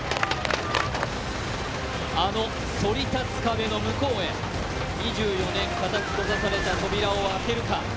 あのそり立つ壁の向こうへ、２４年固く閉ざされた扉を開けるか。